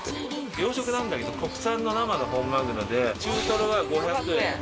養殖なんだけど国産の生の本マグロで中トロは５００円。